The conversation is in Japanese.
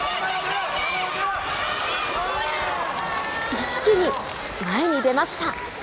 一気に前に出ました。